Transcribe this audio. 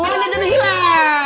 uangnya udah hilang